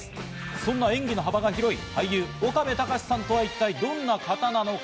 そんな演技の幅が広い俳優・岡部たかしさんとは、一体、どんな方なのか？